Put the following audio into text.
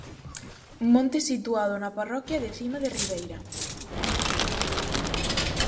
Monte situado na parroquia de Cima de Ribeira.